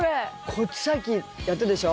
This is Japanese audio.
こっちさっきやったでしょ。